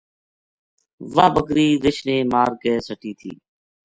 واہ بکری رِچھ نے مار کے سٹی تھی